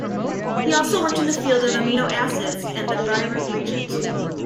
He also worked in the field of amino acids and the Biuret reagent.